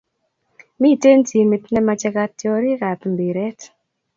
Miten timit nemache katiorik ab mbiret